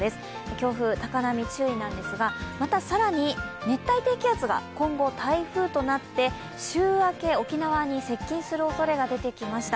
強風、高波に注意なんですが、また更に熱帯低気圧が今後台風となった週明け沖縄に接近するおそれが出てきました。